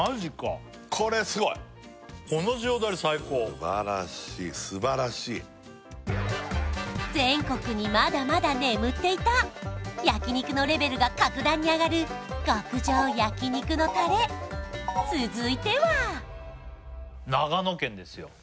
これすごいすばらしいすばらしい全国にまだまだ眠っていた焼肉のレベルが格段に上がる極上焼肉のタレ続いては長野県ですよ